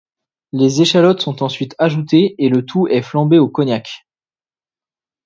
Les échalotes sont ensuite ajoutées et le tout est flambé au cognac.